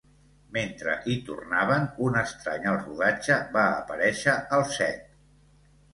Mentre hi tornaven, un estrany al rodatge va aparèixer al set.